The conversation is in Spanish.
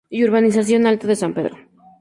Y urbanización alto de San Pedro.